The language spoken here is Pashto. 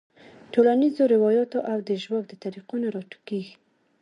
ټولنیزو رواياتو او د ژواک د طريقو نه راټوکيږي -